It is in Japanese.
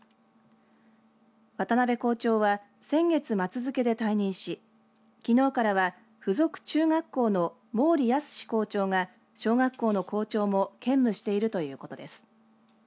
渡部校長は先月末付けで退任しきのうからは附属中学校の毛利靖校長が小学校の校長も兼務しているということです。